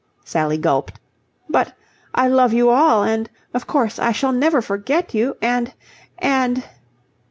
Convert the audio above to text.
Sally gulped, "... but, I love you all and of course I shall never forget you, and... and..."